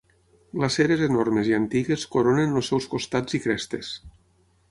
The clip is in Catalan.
Glaceres enormes i antigues coronen els seus costats i crestes.